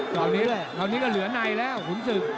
ตอนนี้ก็เหลือในแล้วขุนศึก